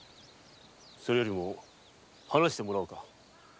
それよりも話してもらおうか。